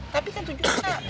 tapi kan tujuannya sama be